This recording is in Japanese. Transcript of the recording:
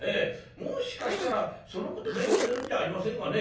もしかしたらそのことで呼んでるんじゃありませんかね」。